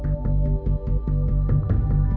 เวลาที่สุดท้าย